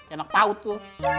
enak paut lu